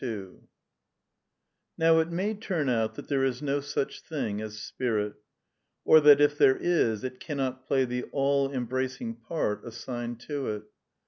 ^® Now it may turn out that there is no such thing as Spirit ; or that if there is it cannot play the all embracing part assigned to it.